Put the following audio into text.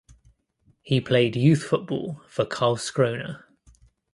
He played youth football for Karlskrona.